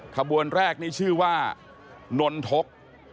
ขบวนแรกนี่ชื่อว่านนทก